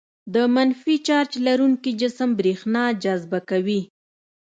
د منفي چارج لرونکي جسم برېښنا جذبه کوي.